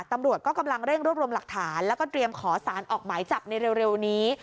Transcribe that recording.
ตำรวจก็กำลังเร่งรวบรวมหลักฐานแล้วก็เตรียมขอสารออกหมายจับในเร็วนี้